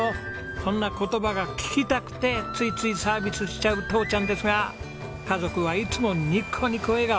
そんな言葉が聞きたくてついついサービスしちゃう父ちゃんですが家族はいつもニコニコ笑顔。